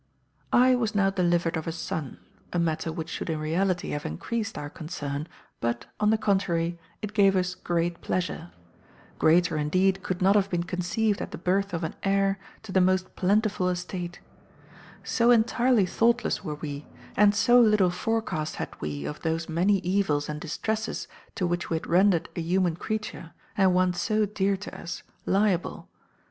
"I was now delivered of a son, a matter which should in reality have encreased our concern, but, on the contrary, it gave us great pleasure; greater indeed could not have been conceived at the birth of an heir to the most plentiful estate: so entirely thoughtless were we, and so little forecast had we of those many evils and distresses to which we had rendered a human creature, and one so dear to us, liable.